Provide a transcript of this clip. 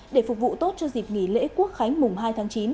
để phục vụ tốt cho dịp nghỉ lễ quốc khánh mùng hai tháng chín